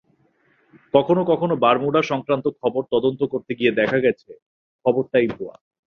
কখনো কখনো বারমুডা-সংক্রান্ত খবর তদন্ত করতে গিয়ে দেখা গেছে, খবরটাই ভুয়া।